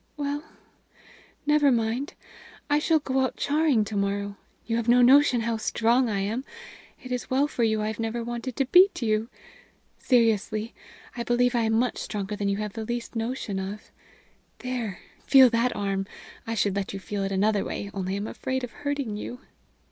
"Well, never mind! I shall go out charing to morrow. You have no notion how strong I am. It is well for you I have never wanted to beat you. Seriously, I believe I am much stronger than you have the least notion of. There! Feel that arm I should let you feel it another way, only I am afraid of hurting you."